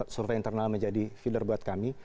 survei internal menjadi filler buat kami